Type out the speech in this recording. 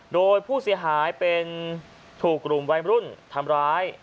โดยผู้เสียหายเป็นถูกกลุ่มวัยรุ่นทำร้าย